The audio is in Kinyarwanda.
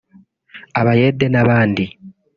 abayede n’abandi